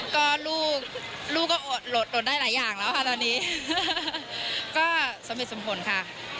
ก็ลูกลูกก็อดได้หลายอย่างแล้วค่ะตอนนี้ก็สมเหตุสมผลค่ะ